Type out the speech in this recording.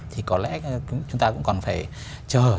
thì có lẽ chúng ta cũng còn phải chờ